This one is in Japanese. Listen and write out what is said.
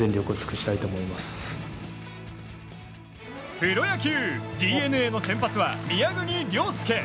プロ野球ＤｅＮＡの先発は宮國椋丞。